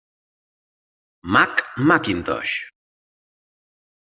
Mac Macintosh.